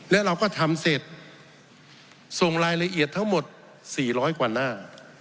และเราก็ทำเสร็จส่งรายละเอียดทั้งหมด๔๐๐กว่าหน้า